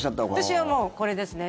私はこれですね。